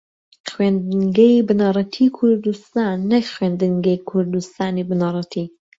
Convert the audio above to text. خوێندنگەی بنەڕەتیی کوردستان نەک خوێندنگەی کوردستانی بنەڕەتی